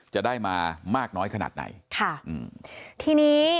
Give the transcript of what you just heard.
จะได้มามากน้อยขนาดไหน